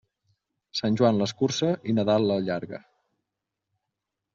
Sant Joan l'escurça i Nadal l'allarga.